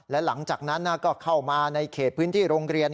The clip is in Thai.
และหลังจากนั้นก็เข้ามาในเขตพื้นที่โรงเรียน